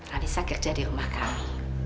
anissa kerja di rumah kami